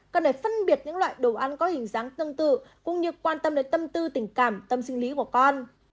cần phải phân biệt những loại đồ ăn có hình dáng tương tự cũng như quan tâm đến tâm tư tình cảm tâm sinh lý của con